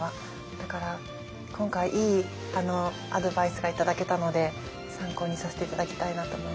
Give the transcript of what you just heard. だから今回いいアドバイスが頂けたので参考にさせて頂きたいなと思います。